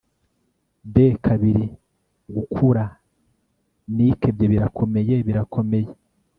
De kabiri gukura Nikebye birakomeye birakomeye